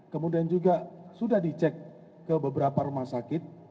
kemudian juga sudah dicek ke beberapa rumah sakit